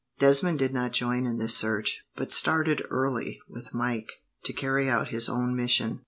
Desmond did not join in this search, but started early, with Mike, to carry out his own mission.